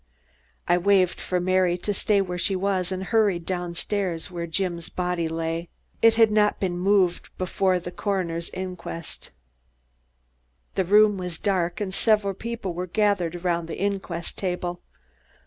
I waved for Mary to stay where she was and hurried down stairs, where Jim's body lay. It had not been moved before the coroner's inquest. The room was dark and several people were gathered around the inquest table.